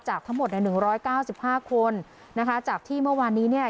จากทั้งหมดในหนึ่งร้อยเก้าสิบห้าคนนะคะจากที่เมื่อวานนี้เนี่ย